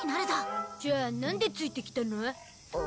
じゃあなんでついてきたの？